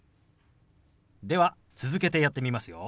では続けてやってみますよ。